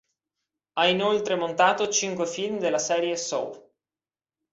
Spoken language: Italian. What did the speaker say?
Ha inoltre montato cinque film della serie "Saw".